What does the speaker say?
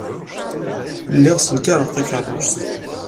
Lliɣ ssenkareɣ takeṛṛust.